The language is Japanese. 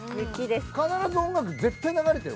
必ず音楽絶対流れてるもんね。